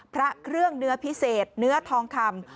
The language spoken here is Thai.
พระเครื่องเนื้อพิเศษเนื้อทองคำ